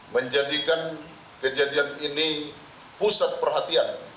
menjadikan kejadian ini pusat perhatian